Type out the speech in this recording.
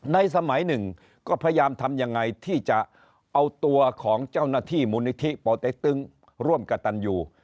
สมัยหนึ่งก็พยายามทำยังไงที่จะเอาตัวของเจ้าหน้าที่มูลนิธิปอเต็กตึงร่วมกับตันยู